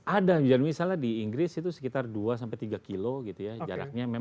ada misalnya di inggris itu sekitar dua tiga kilo jaraknya